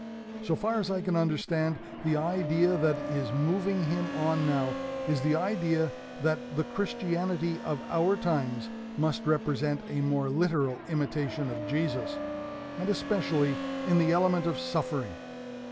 So far as I can understand, the idea that is moving him on now is the idea that the Christianity of our times must represent a more literal imitation of Jesus, and especially in the element of suffering.